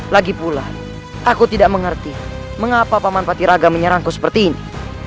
lagi pula aku tidak mengerti mengapa paman patiraga menyerangku seperti ini